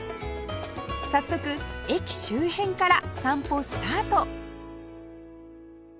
早速駅周辺から散歩スタート